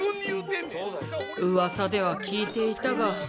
うわさでは聞いていたが。